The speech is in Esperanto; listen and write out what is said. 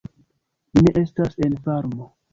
Ni ne estas en farmo."